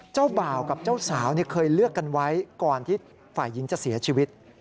เจ้าบ่าวกับเจ้าสาวเคยเลือกกันไว้ก่อนที่ฝ่ายหญิงจะเสียชีวิต